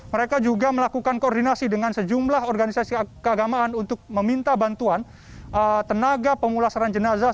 mereka juga melakukan koordinasi dengan sejumlah organisasi keagamaan untuk meminta bantuan tenaga pemulasaran jenazah